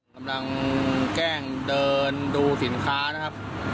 กำลังแก้งเดินดูสินค้า